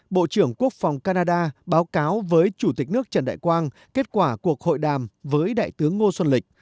bộ trưởng quốc phòng canada báo cáo với chủ tịch nước trần đại quang kết quả cuộc hội đàm với đại tướng ngô xuân lịch